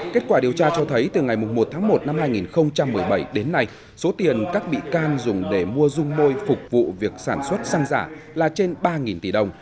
kết quả điều tra cho thấy từ ngày một tháng một năm hai nghìn một mươi bảy đến nay số tiền các bị can dùng để mua dung môi phục vụ việc sản xuất xăng giả là trên ba tỷ đồng